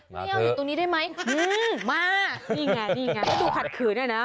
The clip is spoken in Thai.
ไม่เอาอยู่ตรงนี้ได้ไหมมานี่ไงไม่ต้องขัดขืนเลยนะ